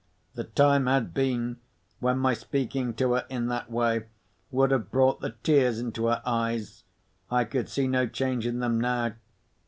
The time had been, when my speaking to her in that way would have brought the tears into her eyes. I could see no change in them now.